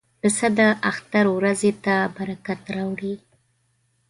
پسه د اختر ورځې ته برکت راوړي.